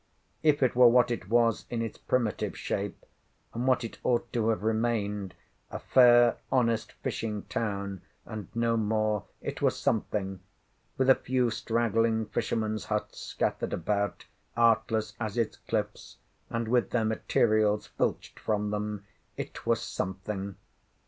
If it were what it was in its primitive shape, and what it ought to have remained, a fair honest fishing town, and no more, it were something—with a few straggling fishermen's huts scattered about, artless as its cliffs, and with their materials filched from them, it were something.